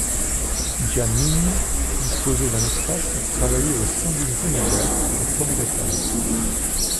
Giannini disposait d'un espace pour travailler au sein d'une zone ouverte au premier étage.